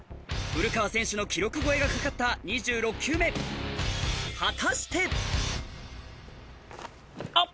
古川選手の記録超えが懸かった２６球目あっ！